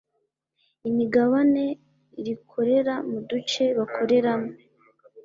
Imigabane rikorera mu duce bakoreramo